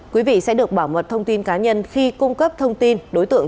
quý vị sẽ được bảo mật thông tin cá nhân khi cung cấp thông tin đối tượng